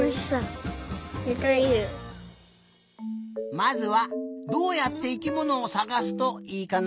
まずはどうやって生きものをさがすといいかな？